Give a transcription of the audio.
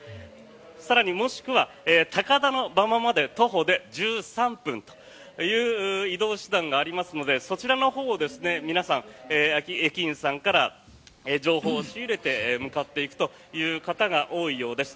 更に、もしくは高田馬場まで徒歩で１３分という移動手段がありますのでそちらのほうに皆さん、駅員さんから情報を仕入れて向かっていくという方が多いようです。